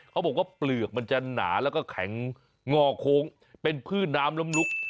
เขาบอกว่าเปลือกมันจะหนาแล้วก็แข็งงอโค้งเป็นพืชน้ำล้มลุก